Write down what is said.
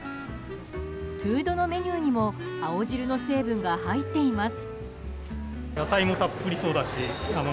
フードのメニューにも青汁の成分が入っています。